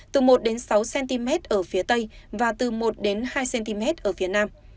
từ một sáu cm ở phía tây và từ một hai cm ở phía nam